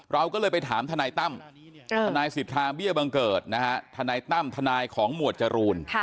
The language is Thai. เราก็เลยไปถามทนายตั้มทนายสิทธาเบี้ยบังเกิดนะฮะทนายตั้มทนายของหมวดจรูน